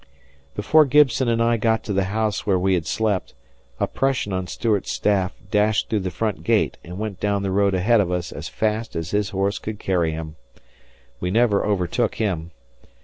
Before Gibson and I got to the house where we had slept, a Prussian on Stuart's staff dashed through the front gate and went down the road ahead of us as fast as his horse could carry him. We never overtook him.